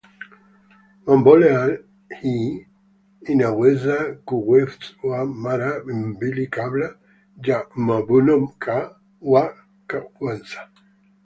Mbolea hii inaweza kuwekwa mara mbili kabla ya mvuno wa kwanza.